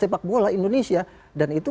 sepak bola indonesia dan itu